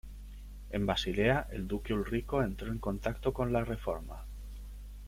En Basilea, el duque Ulrico entró en contacto con la Reforma.